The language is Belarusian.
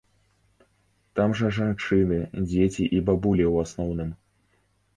Там жа жанчыны, дзеці і бабулі ў асноўным.